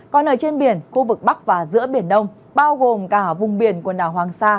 còn ở trên biển khu vực bắc và giữa biển đông bao gồm cả vùng biển quần đảo hoàng sa